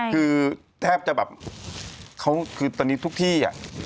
คือแทบจะแบบเขาคือตอนนี้ทุกที่